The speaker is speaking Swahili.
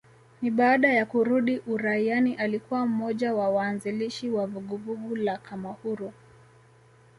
Na baada ya kurudi uraiani alikuwa mmoja wa waanzilishi wa vuguvugu la kamahuru